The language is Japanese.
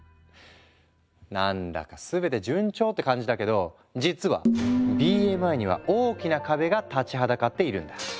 何だか全て順調って感じだけど実はＢＭＩには大きな壁が立ちはだかっているんだ。